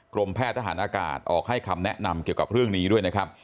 แพทย์ทหารอากาศออกให้คำแนะนำเกี่ยวกับเรื่องนี้ด้วยนะครับ